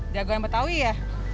jago yang betawi ya